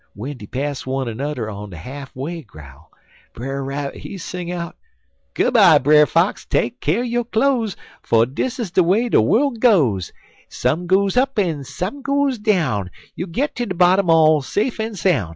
W'en dey pass one nudder on de half way growl', Brer Rabbit he sing out: "'Good by, Brer Fox, take keer yo' cloze, Fer dis is de way de worl' goes; Some goes up en some goes down, You'll git ter de bottom all safe en soun'.'